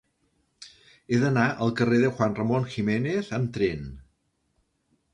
He d'anar al carrer de Juan Ramón Jiménez amb tren.